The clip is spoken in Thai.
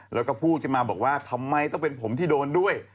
แล้วก็พูดขึ้นมาบอกว่าทำไมต้องเป็นผมที่โดนด้วย